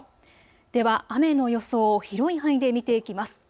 では雨の予想を広い範囲で見ていきます。